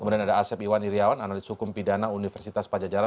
kemudian ada asep iwan iryawan analis hukum pidana universitas pajajaran